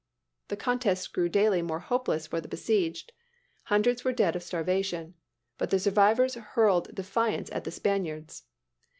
The contest grew daily more hopeless for the besieged. Hundreds were dead of starvation. But the survivors hurled defiance at the Spaniards.